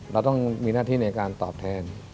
เราต้องมีหน้าที่ในการตอบแทน